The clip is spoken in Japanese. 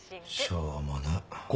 しょうもな。